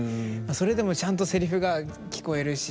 それでもちゃんとセリフが聞こえるし。